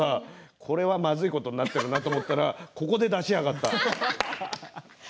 これはまずいことになっているなと思ったらここで出しやがった。